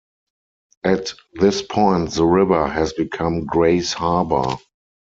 At this point the river has become Grays Harbor.